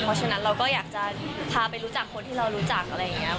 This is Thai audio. เพราะฉะนั้นเราก็อยากจะพาไปรู้จักคนที่เรารู้จักอะไรอย่างนี้